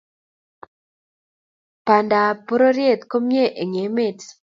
pandap pororyet ko mie eng emet